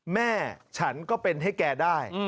แม่ฉันก็เป็นให้แกได้